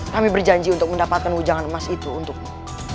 kami berjanji untuk mendapatkan ujangan emas itu untukmu